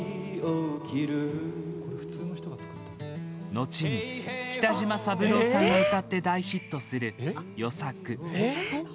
後に北島三郎さんが歌って大ヒットする「与作」。